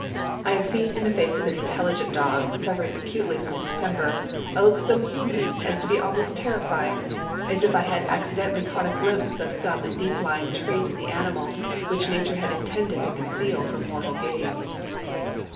I have seen in the face of an intelligent dog, suffering acutely from distemper, a look so human as to be almost terrifying; as if I had accidentally caught a glimpse of some deep lying trait in the animal which nature had intended to conceal from mortal gaze.